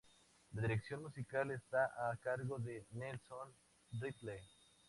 La dirección musical está a cargo de Nelson Riddle.